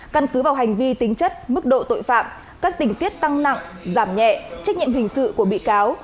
căn cứ vào hành vi tính chất mức độ tội phạm các tình tiết tăng nặng giảm nhẹ trách nhiệm hình sự của bị cáo